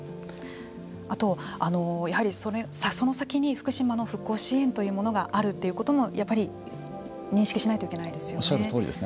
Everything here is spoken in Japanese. あと、やはりその先に福島の復興支援というものがあるということもやっぱりおっしゃるとおりです。